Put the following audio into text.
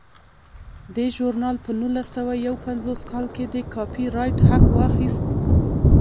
دې ژورنال په نولس سوه یو پنځوس کال کې د کاپي رایټ حق واخیست.